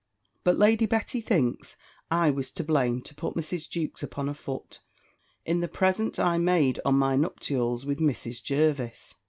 But Lady Betty thinks, I was to blame to put Mrs. Jewkes upon a foot, in the present I made on my nuptials, with Mrs. Jervis.